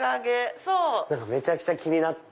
めちゃくちゃ気になって。